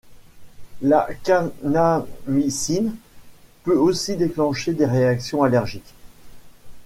La kanamycine peut aussi déclencher des réactions allergiques.